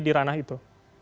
di ranah itu